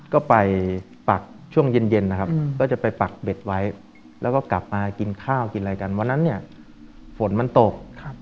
ก็ไปปักช่วงเย็นนะครับก็จะไปปักเบ็ดไว้แล้วก็กลับมากินข้าวกินอะไรกันวันนั้นเนี่ยฝนมันตก